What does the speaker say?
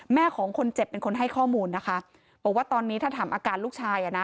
ของคนเจ็บเป็นคนให้ข้อมูลนะคะบอกว่าตอนนี้ถ้าถามอาการลูกชายอ่ะนะ